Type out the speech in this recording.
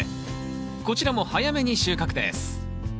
こちらも早めに収穫です